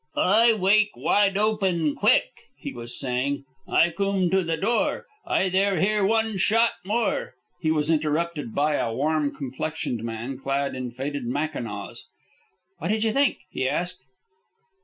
"I wake wide open quick," he was saying. "I coom to the door. I there hear one shot more." He was interrupted by a warm complexioned man, clad in faded mackinaws. "What did you think?" he asked.